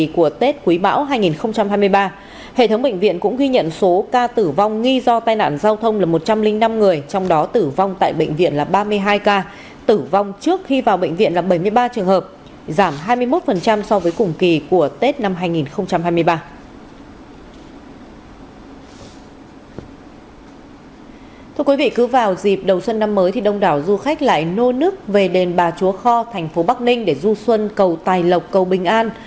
các bệnh viện cũng ghi nhận số ca tử vong nghi do tai nạn giao thông là một trăm linh năm người trong đó tử vong tại bệnh viện là ba mươi hai ca tử vong trước khi vào bệnh viện là bảy mươi ba trường hợp giảm hai mươi một so với cùng kỳ của tết năm hai nghìn hai mươi ba